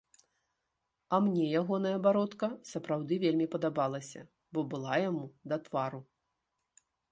А мне ягоная бародка сапраўды вельмі падабалася, бо была яму да твару.